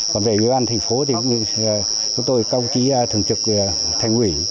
còn về ủy ban thành phố thì chúng tôi cao trí thường trực thành quỷ